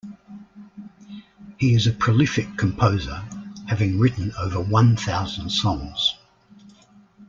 He is a prolific composer, having written over one thousand songs.